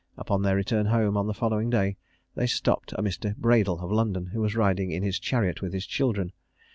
Upon their return home on the following day, they stopped a Mr. Bradle, of London, who was riding in his chariot with his children.